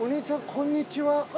こんにちは。